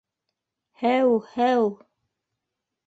- Һәү, һәү...